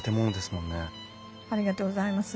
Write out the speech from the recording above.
ありがとうございます。